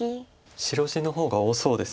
白地の方が多そうです。